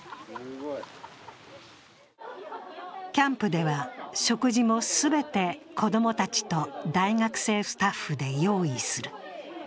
キャンプでは食事も全て子供たちと大学生スタッフで用意する。